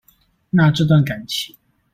那這段感情